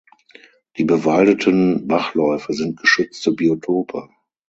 Die bewaldeten Bachläufe sind geschützte Biotope.